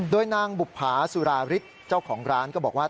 โดยนางบุภาสุราฤทธิ์เจ้าของร้านก็บอกว่า